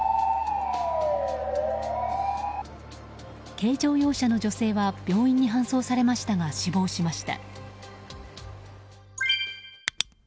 軽乗用車の女性は病院に搬送されましたが死亡しました。